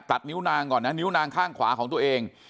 นิ้วนางก่อนนะนิ้วนางข้างขวาของตัวเอง